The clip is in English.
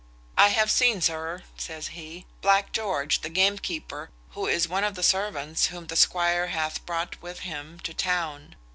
"I have seen, sir," says he, "Black George, the gamekeeper, who is one of the servants whom the squire hath brought with him to town.